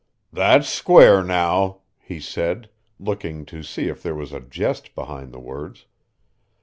"That's square, now," he said, looking to see if there was a jest behind the words.